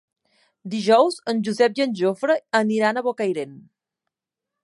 Dijous en Josep i en Jofre aniran a Bocairent.